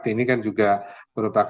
ini juga merupakan perubahan